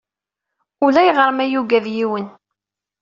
Ulayɣer ma yuggad yiwen.